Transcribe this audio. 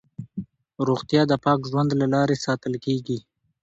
روغتیا د پاک ژوند له لارې ساتل کېږي.